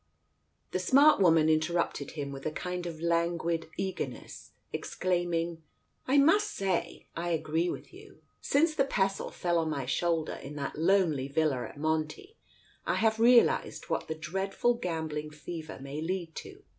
The smart woman interrupted him with a kind of languid eagerness, exclaiming — "I must say I agree with you. Since the pestle fell on my shoulder in that lonely villa at Monte, I have realized what the dreadful gambling fever may lead to.